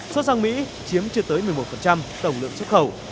xuất sang mỹ chiếm chưa tới một mươi một tổng lượng xuất khẩu